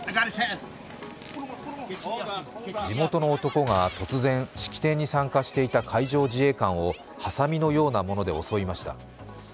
地元の男が突然、式典に参加していた海上自衛官をハサミのようなもので襲いました。